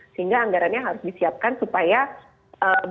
sehingga anggarannya harus disiapkan supaya bukan sekedar proses penyelenggaraan pemilu